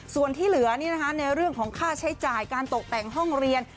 ส่วนที่เหลือในเรื่องของค่าใช้จ่ายการตกแต่งห้องเรียน